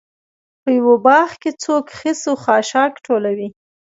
په یوه باغ کې څوک خس و خاشاک ټولوي.